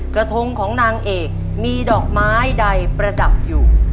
กระทงของนางเอกมีดอกไม้ใดประดับอยู่